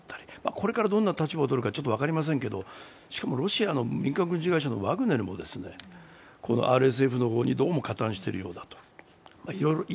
これからどんな立場をとるか分かりませんけれどもしかもロシアの民間軍事会社のワグネルもＲＳＦの方に加担しているようだと。